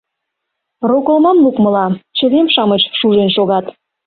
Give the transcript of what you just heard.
Роколмам лукмыла, чывем-шамыч шужен шогат.